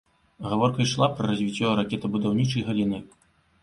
Гаворка ішла пра развіццё ракетабудаўнічай галіны.